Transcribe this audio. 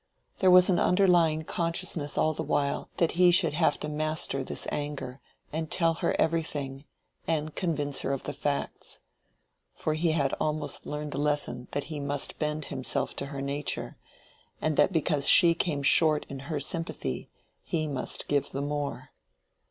There was an underlying consciousness all the while that he should have to master this anger, and tell her everything, and convince her of the facts. For he had almost learned the lesson that he must bend himself to her nature, and that because she came short in her sympathy, he must give the more.